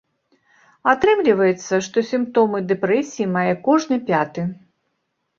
Атрымліваецца, што сімптомы дэпрэсіі мае кожны пяты.